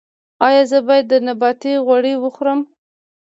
ایا زه باید د نباتي غوړي وخورم؟